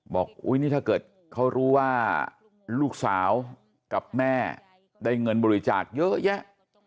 อุ๊ยนี่ถ้าเกิดเขารู้ว่าลูกสาวกับแม่ได้เงินบริจาคเยอะแยะ